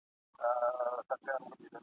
خو ځول یې په قفس کي وزرونه ..